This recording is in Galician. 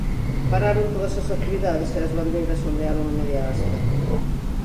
Pararon todas as actividades e as bandeiras ondearon a media hasta.